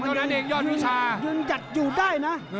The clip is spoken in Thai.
เท่านั้นเองยอดวิชายืนหยัดอยู่ได้นะ